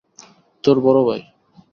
তোর বড় ভাই।